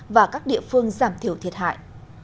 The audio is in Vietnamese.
và các địa phương giảm thiểu thiệt hại